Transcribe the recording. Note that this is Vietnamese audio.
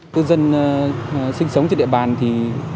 từ dân sinh sống trên địa bàn thì